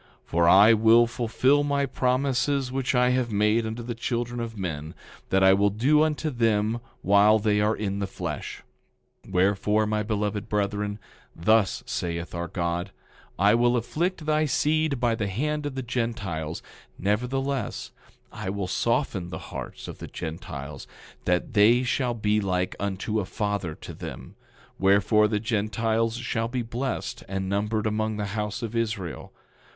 10:17 For I will fulfil my promises which I have made unto the children of men, that I will do unto them while they are in the flesh— 10:18 Wherefore, my beloved brethren, thus saith our God: I will afflict thy seed by the hand of the Gentiles; nevertheless, I will soften the hearts of the Gentiles, that they shall be like unto a father to them; wherefore, the Gentiles shall be blessed and numbered among the house of Israel.